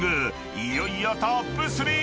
［いよいよトップ３！］